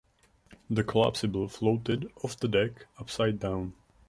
The collapsible floated off the deck upside down.